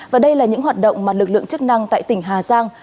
và đây là những hoạt động mà lực lượng chức năng tại tỉnh hà giang